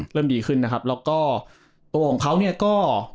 เริ่มดีขึ้นนะครับแล้วก็ตัวของเขาเนี่ยก็